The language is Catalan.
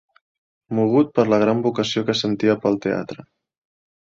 Mogut per la gran vocació que sentia pel teatre